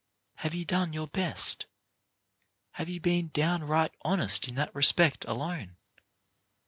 Have you done your best ? Have you been downright honest in that respect, alone?